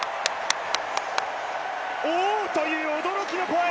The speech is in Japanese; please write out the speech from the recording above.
「オー」という驚きの声。